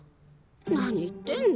何言ってんの。